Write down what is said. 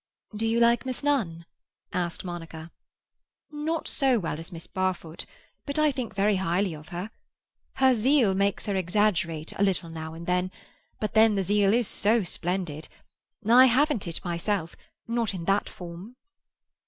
"Do you like Miss Nunn?" asked Monica. "Not so well as Miss Barfoot, but I think very highly of her. Her zeal makes her exaggerate a little now and then, but then the zeal is so splendid. I haven't it myself—not in that form."